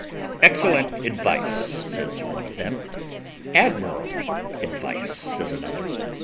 "Excellent advice," says one of them. "Admirable advice," says another.